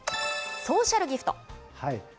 ソーシャルギフト。